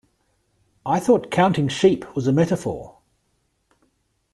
I thought "counting sheep" was a metaphor.